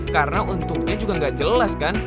karena untungnya juga gak jelas kan